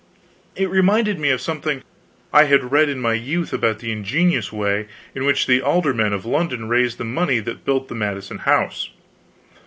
It reminded me of something I had read in my youth about the ingenious way in which the aldermen of London raised the money that built the Mansion House.